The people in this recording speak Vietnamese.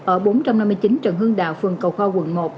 ở bốn trăm năm mươi chín trần hưng đạo phường cầu kho quận một